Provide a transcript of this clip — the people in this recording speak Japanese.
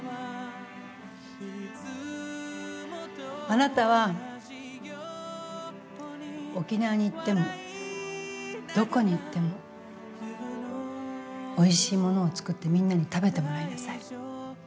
あなたは沖縄に行ってもどこに行ってもおいしいものを作ってみんなに食べてもらいなさい。